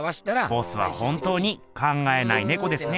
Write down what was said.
ボスは本当に「考えないねこ」ですね。